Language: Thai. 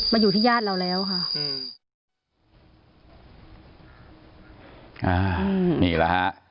มาอยู่ที่ญาติเราแล้วค่ะ